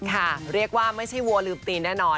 เรียกว่าไม่ใช่วัวลืมตีนแน่นอน